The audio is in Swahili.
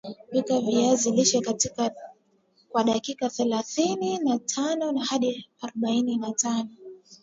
pika viazi lishe kwa dakika thelathini na tano hadi arobaini na tano